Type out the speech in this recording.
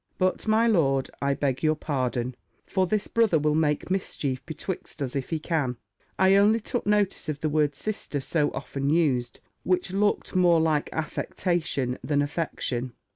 But, my lord, I beg your pardon; for this brother will make mischief betwixt us if he can I only took notice of the word Sister so often used, which looked more like affectation than affection."